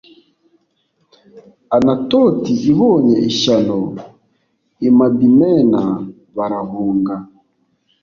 Anatoti ibonye ishyano, i Madimena barahunga,